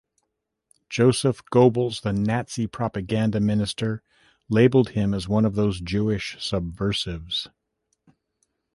Joseph Goebbels, the Nazi propaganda minister, labelled him as one of those Jewish subversives.